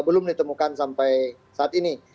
belum ditemukan sampai saat ini